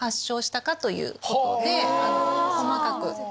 細かく。